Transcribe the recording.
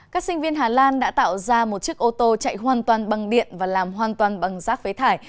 các sinh viên hà lan đã tạo ra một chiếc ô tô chạy hoàn toàn bằng điện và làm hoàn toàn bằng rác phế thải